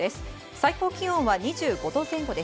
最高気温は２５度前後で